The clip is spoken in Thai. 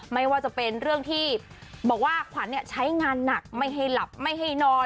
ไม่ว่าจะเป็นเรื่องที่บอกว่าขวัญใช้งานหนักไม่ให้หลับไม่ให้นอน